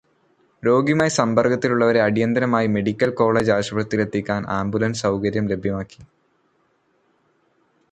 രോഗിയുമായി സമ്പര്ക്കത്തിലുള്ളവരെ അടിയന്തരമായി medical college ആശുപത്രിയിലെത്തിക്കാന് ambulance സൗകര്യം ലഭ്യമാക്കി.